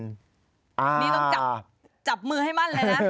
นี่ต้องจับมือให้มั่นเลยนะ